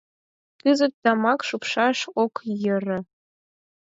Кызыт тамак шупшаш ок йӧрӧ...